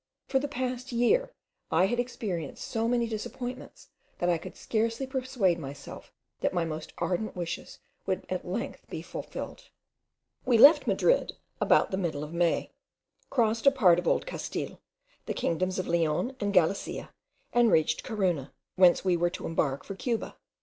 For a year past, I had experienced so many disappointments, that I could scarcely persuade myself that my most ardent wishes would be at length fulfilled. We left Madrid about the middle of May, crossed a part of Old Castile, the kingdoms of Leon and Galicia, and reached Corunna, whence we were to embark for Cuba.